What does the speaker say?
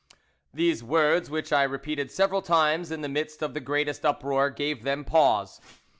"These words, which I repeated several times in the midst of the greatest uproar, gave them pause.